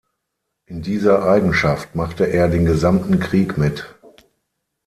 In dieser Eigenschaft machte er den gesamten Krieg mit.